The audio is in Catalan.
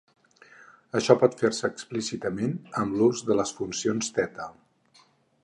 Això pot fer-se explícitament amb l'ús de les funcions theta.